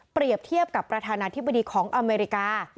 เทียบกับประธานาธิบดีของอเมริกา